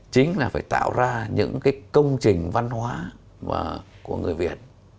chính là phải tạo ra những công trình văn hóa của người việt